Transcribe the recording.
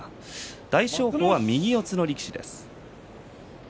大翔鵬は右四つの力士です。